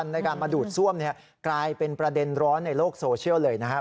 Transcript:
ในการมาดูดซ่วมกลายเป็นประเด็นร้อนในโลกโซเชียลเลยนะครับ